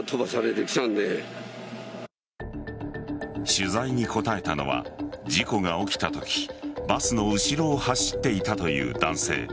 取材に答えたのは事故が起きたときバスの後ろを走っていたという男性。